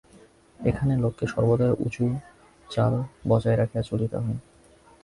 এখানে লোককে সর্বদাই উঁচু চাল বজায় রাখিয়া চলিতে হয়।